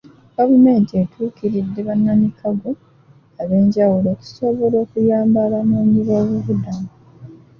Gavumenti etuukiridde bannamikago ab'enjawulo okusobola okuyamba abanoonyiboobubudamu.